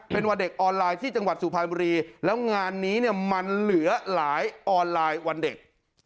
เป็นวันเด็กออนไลน์ที่จังหวัดสุพรรณบุรีแล้วงานนี้เนี่ยมันเหลือหลายออนไลน์วันเด็ก